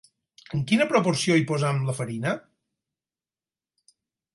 En quina proporció hi posem la farina?